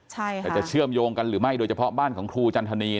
จะเชื่อมโยงหรือไม่โดยเฉพาะบ้านคลูค์จันทนี